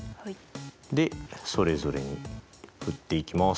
でそれぞれに振っていきます。